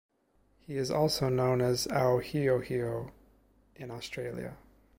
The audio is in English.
He is also known as Awhiowhio in Australia.